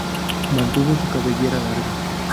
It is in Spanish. Mantuvo su cabellera larga.